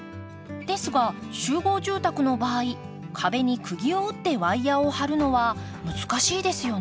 ですが集合住宅の場合壁にクギを打ってワイヤーを張るのは難しいですよね。